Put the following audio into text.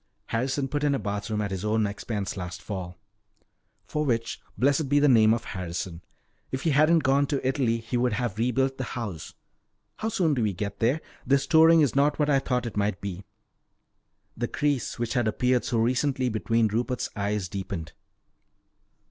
"Harrison put in a bathroom at his own expense last fall." "For which blessed be the name of Harrison. If he hadn't gone to Italy, he would have rebuilt the house. How soon do we get there? This touring is not what I thought it might be " The crease which had appeared so recently between Rupert's eyes deepened.